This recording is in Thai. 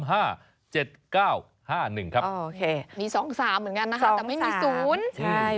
นี่๒๓เหมือนกันนะคะแต่ไม่มี๐